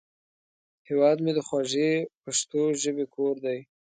هیواد مې د خوږې پښتو ژبې کور دی